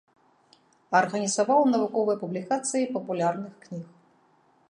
Арганізаваў навуковыя публікацыі папулярных кніг.